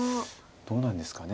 どうなんですかね。